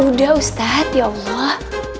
udah ustadz ya allah